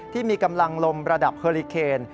ที่มีกำลังลมระดับเฮอลิเคน